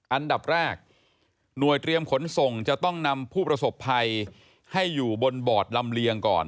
อันดับแรกหน่วยเตรียมขนส่งจะต้องนำผู้ประสบภัยให้อยู่บนบอร์ดลำเลียงก่อน